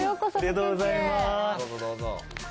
どうぞどうぞ。